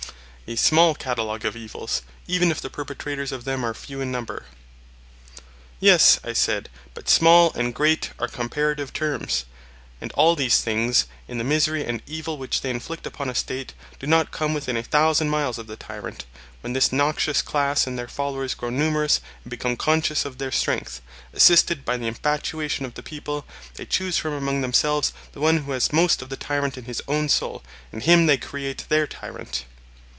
A small catalogue of evils, even if the perpetrators of them are few in number. Yes, I said; but small and great are comparative terms, and all these things, in the misery and evil which they inflict upon a State, do not come within a thousand miles of the tyrant; when this noxious class and their followers grow numerous and become conscious of their strength, assisted by the infatuation of the people, they choose from among themselves the one who has most of the tyrant in his own soul, and him they create their tyrant.